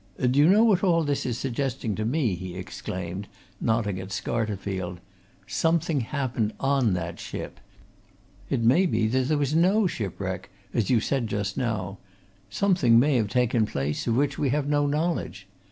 "Do you know what all this is suggesting to me?" he exclaimed, nodding at Scarterfield. "Something happened on that ship! It may be that there was no shipwreck, as you said just now something may have taken place of which we have no knowledge.